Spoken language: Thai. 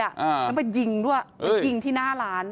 กำลังไปยิงด้วยไปยิงที่หน้าหลาน